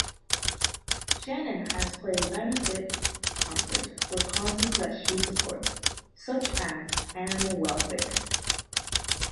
Shannon has played benefit concerts for causes that she supports, such as animal welfare.